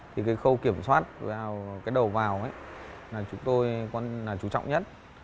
thì cái khâu kiểm soát cái đầu vào là chúng tôi chú trọng nhất